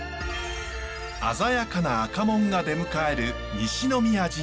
鮮やかな赤門が出迎える西宮神社。